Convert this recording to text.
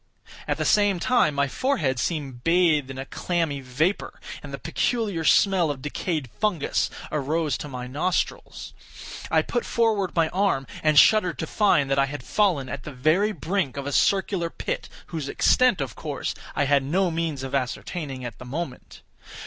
At the same time my forehead seemed bathed in a clammy vapor, and the peculiar smell of decayed fungus arose to my nostrils. I put forward my arm, and shuddered to find that I had fallen at the very brink of a circular pit, whose extent, of course, I had no means of ascertaining at the moment.